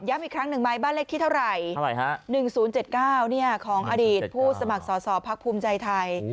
ย้ำอีกครั้ง๑ใบบ้านเลขที่เท่าไหร่๑๐๗๙เนี่ยของอดีตผู้สมัครสอสอบภักดิ์ภูมิใจไทย